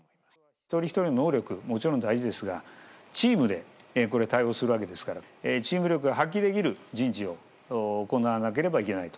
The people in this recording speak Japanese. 一人一人の能力、もちろん大事ですが、チームで、これ、対応するわけですから、チーム力が発揮できる人事を行わなければいけないと。